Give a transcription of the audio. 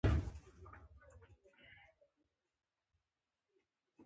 زه د سندرو د محفلونو برخه یم.